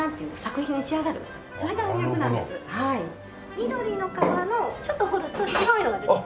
緑の皮のちょっと彫ると白いのが出てきます。